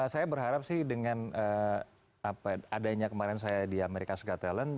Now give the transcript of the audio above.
saya berharap sih dengan adanya kemarin saya di america's got talent